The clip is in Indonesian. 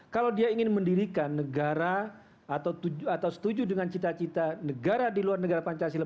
kalau dia ingin mendirikan negara atau setuju dengan cita cita negara di luar negara pancasila